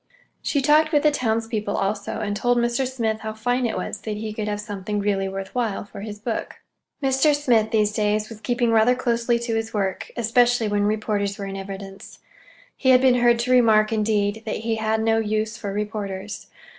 She talked with the townspeople, also, and told Al Smith how fine it was that he could have something really worth while for his book. Mr. Smith, these days, was keeping rather closely to his work, especially when reporters were in evidence. He had been heard to remark, indeed, that he had no use for reporters.